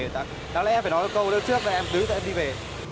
đáng lẽ em phải nói câu lúc trước là em đứng dậy em đi về